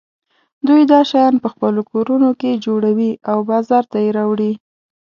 دوی دا شیان په خپلو کورونو کې جوړوي او بازار ته یې راوړي.